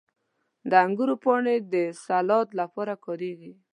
• د انګورو پاڼې د سالاد لپاره کارېږي.